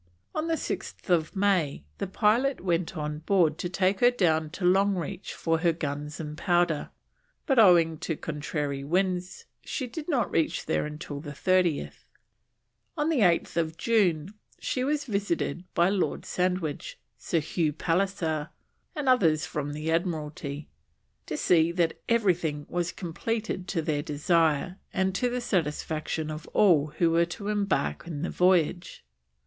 On the 6th May the pilot went on board to take her down to Longreach for her guns and powder, but owing to contrary winds she did not reach there till the 30th. On 8th June she was visited by Lord Sandwich, Sir Hugh Pallisser, and others from the Admiralty, "to see that everything was compleated to their desire and to the satisfaction of all who were to embark in the voyage."